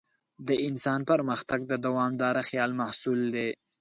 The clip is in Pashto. د انسان پرمختګ د دوامداره خیال محصول دی.